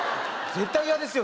絶対嫌ですよ